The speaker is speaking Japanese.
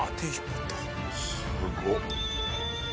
すごっ。